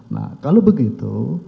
nah kalau begitu